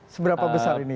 seberapa besar ini